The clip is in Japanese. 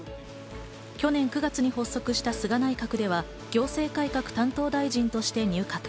去年９月に発足した菅内閣では行政改革担当大臣として入閣。